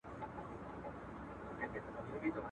دعا لکه چي نه مني یزدان څه به کوو؟.